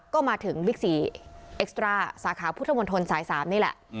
ก็มาถึงบิ๊กซีเอ็กซ์ตราสาขาพุทธมนตรสาย๓นี่แหละ